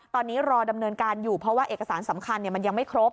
ตอนนี้รอดำเนินการอยู่เพราะว่าเอกสารสำคัญมันยังไม่ครบ